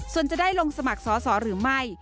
ส่วนจะได้ลงสมัครสอสอหรือไม่